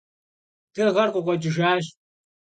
Dığer khıkhueç'ıjjaş.